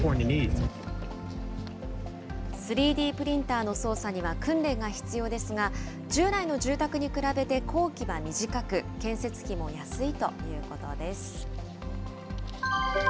３Ｄプリンターの操作には訓練が必要ですが、従来の住宅に比べて工期は短く、建設費も安いということです。